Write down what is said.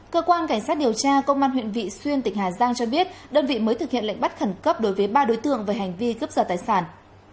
cơ quan cảnh sát điều tra công an huyện vị xuyên tỉnh hà giang cho biết đơn vị mới thực hiện lệnh bắt khẩn cấp đối với ba đối tượng về hành vi cấp giật tài sản